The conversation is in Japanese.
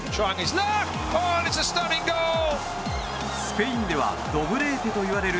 スペインではドブレーテといわれる